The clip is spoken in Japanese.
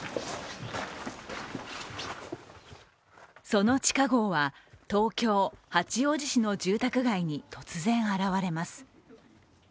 その地下壕は東京・八王子市の住宅街に突然現れます。